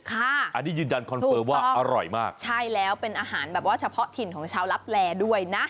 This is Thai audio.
อันนี้ยืนยันคอนเฟิร์มว่าอร่อยมากใช่แล้วเป็นอาหารแบบว่าเฉพาะถิ่นของชาวลับแลด้วยนะ